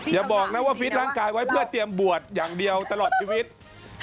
อย่าบอกนะว่าฟิตร่างกายไว้เพื่อเตรียมบวชอย่างเดียวตลอดชีวิต